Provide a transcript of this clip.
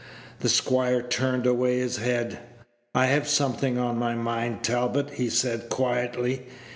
The squire turned away his head. "I have something on my mind, Talbot," he said, quietly.